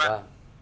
chưa hề đâu